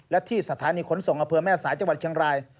และที่สถานีขนส่งอำเภอแม่สายจังหวัดเชียงราย